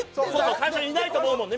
最初いないと思うもんね